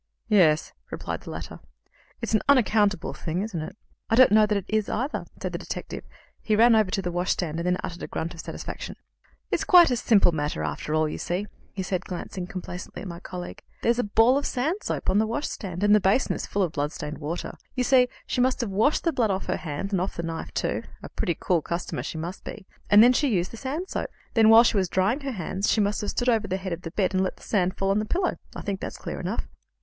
"Yes," replied the latter; "it's an unaccountable thing, isn't it?" "I don't know that it is, either," said the detective, he ran over to the washstand, and then uttered a grunt of satisfaction. "It's quite a simple matter, after all, you see," he said, glancing complacently at my colleague. "There's a ball of sand soap on the washstand, and the basin is full of blood stained water. You see, she must have washed the blood off her hands, and off the knife, too a pretty cool customer she must be and she used the sand soap. Then, while she was drying her hands, she must have stood over the head of the bed, and let the sand fall on to the pillow. I think that's clear enough."